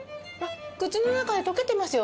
口の中で溶けてますよ！